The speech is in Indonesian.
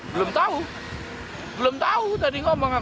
belum tahu belum tahu tadi ngomong